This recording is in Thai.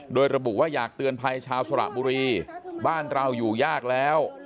โดยระบุว่าอยากเตือนภัยชาวสระบุรีบ้านเราอยู่ยากแล้ว